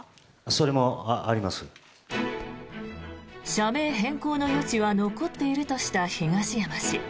社名変更の余地は残っているとした東山氏。